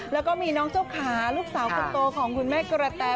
แล้วก็มีน้องเจ้าขาลูกสาวคนโตของคุณแม่กระแต